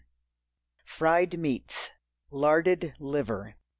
7 FRIED MEATS. Larded Liver.